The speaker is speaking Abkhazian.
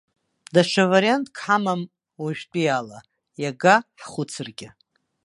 Даҽа вариантк ҳамам уажәтәи ала, иага ҳхәыцыргьы.